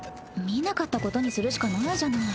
見なかったことにするしかないじゃない。